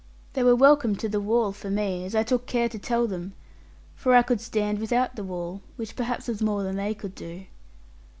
They were welcome to the wall for me, as I took care to tell them, for I could stand without the wall, which perhaps was more than they could do.